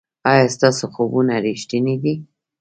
ایا ستاسو خوبونه ریښتیني دي؟